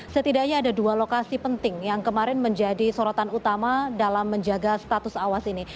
setidaknya ada dua lokasi penting yang kemarin menjadi sorotan utama dalam menjaga status awas ini